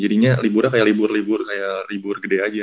jadinya liburnya kayak libur libur kayak libur gede aja